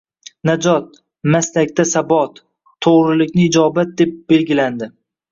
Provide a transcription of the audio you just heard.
“Najot: maslakda sabot; to'g'rilikni ijobat” deb belgilandi.